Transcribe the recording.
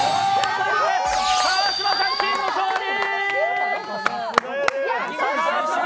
川島さんチームの勝利！